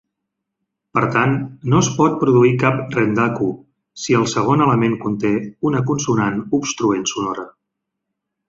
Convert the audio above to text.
Per tant, no es pot produir cap "rendaku" si el segon element conté una consonant obstruent sonora.